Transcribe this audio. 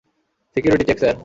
Security check, sir.